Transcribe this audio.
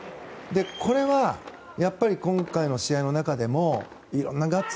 これはやっぱり今回の試合の中でもいろんなガッツ。